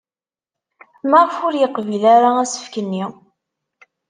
Maɣef ur yeqbil ara asefk-nni?